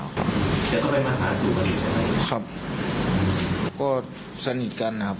คุณต้องการรู้สิทธิ์ของเขา